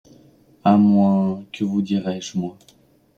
À moins... que vous dirai-je, moi?...